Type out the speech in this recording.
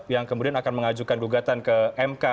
yang kemudian akan mengajukan gugatan ke mk